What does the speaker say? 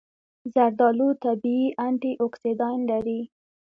زردآلو طبیعي انټياکسیدان لري.